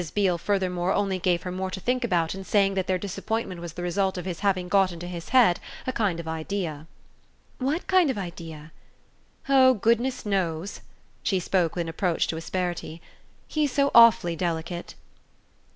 Beale furthermore only gave her more to think about in saying that their disappointment was the result of his having got into his head a kind of idea. "What kind of idea?" "Oh goodness knows!" She spoke with an approach to asperity. "He's so awfully delicate."